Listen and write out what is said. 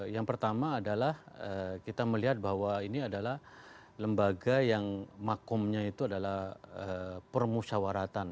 yang pertama adalah kita melihat bahwa ini adalah lembaga yang makomnya itu adalah permusyawaratan